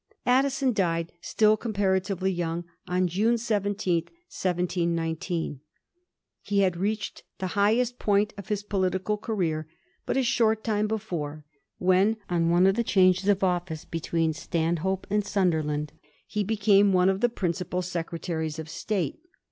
Addison died, still comparatively young, on June 17, 1719. He had reached the highest point of his political career but a short time before, when, on one of the changes of office between Stan hope and Sunderland, he became one of the principal secretaries of state.